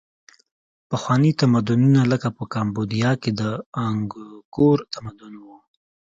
پخواني تمدنونه لکه په کامبودیا کې د انګکور تمدن و.